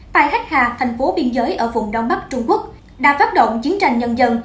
tại khách hàng thành phố biên giới ở vùng đông bắc trung quốc đã phát động chiến tranh nhân dân